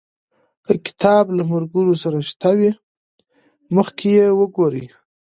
که کتاب له ملګرو سره شته وي، مخکې یې وګورئ.